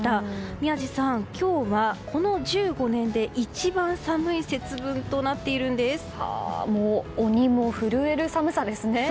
宮司さん、今日はこの１５年で一番寒い鬼も震える寒さですね。